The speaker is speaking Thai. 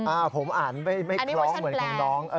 ผมอ่านไม่คล้องเหมือนของน้อง